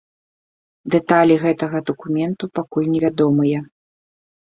Дэталі гэтага дакументу пакуль невядомыя.